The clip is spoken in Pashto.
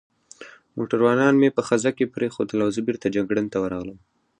موټروانان مې په خزه کې پرېښوول او زه بېرته جګړن ته ورغلم.